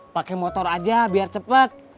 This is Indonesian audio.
pakai motor aja biar cepet